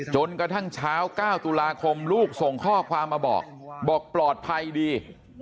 จนกระทั่งเช้า๙ตุลาคมลูกส่งข้อความมาบอกบอกปลอดภัยดี